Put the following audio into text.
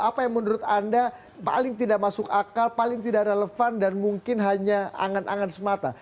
apa yang menurut anda paling tidak masuk akal paling tidak relevan dan mungkin hanya angan angan semata